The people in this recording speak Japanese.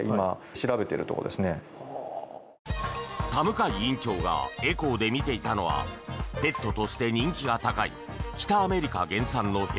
田向院長がエコーで診ていたのはペットとして人気が高い北アメリカ原産の蛇